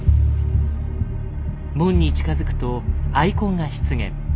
門に近づくとアイコンが出現。